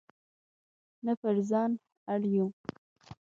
نه پر ځان اړ یو.